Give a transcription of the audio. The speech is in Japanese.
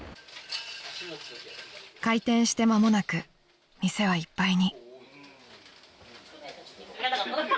［開店して間もなく店はいっぱいに］